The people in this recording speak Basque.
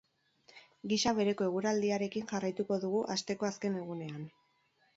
Gisa bereko eguraldiarekin jarraituko dugu asteko azken egunean.